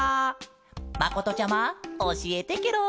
まことちゃまおしえてケロ。